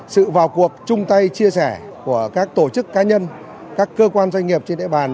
sự vào cuộc chung tay chia sẻ của các tổ chức cá nhân các cơ quan doanh nghiệp trên địa bàn